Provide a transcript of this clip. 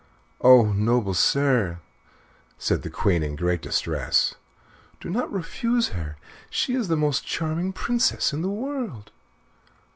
"Oh! noble sir," said the Queen in great distress, "do not refuse her. She is the most charming Princess in the world."